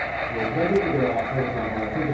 プライベートでは西郷さん